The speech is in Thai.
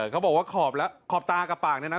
เขาบอกว่าขอบตากับปากนี้นะ